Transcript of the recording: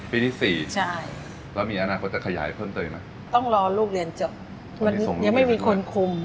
ที่สี่ใช่แล้วมีอนาคตจะขยายเพิ่มเติมอีกไหมต้องรอลูกเรียนจบมันยังไม่มีคนคุม